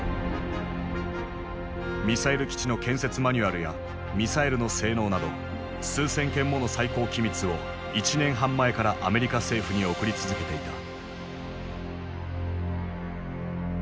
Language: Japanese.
ミサイル基地の建設マニュアルやミサイルの性能など数千件もの最高機密を１年半前からアメリカ政府に送り続けていた。